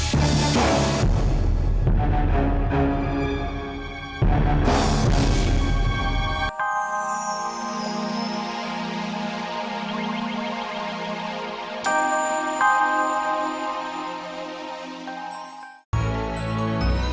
tidak bisa dipilih